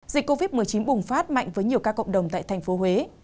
dịch covid một mươi chín bùng phát mạnh với nhiều các cộng đồng tại tp huế